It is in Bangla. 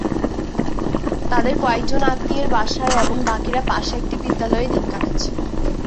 তাঁদের কয়েকজন আত্মীয়ের বাসায় এবং বাকিরা পাশে একটি বিদ্যালয়ে দিন কাটাচ্ছেন।